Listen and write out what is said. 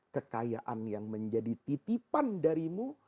kekayaan yang menjadi titipan darimu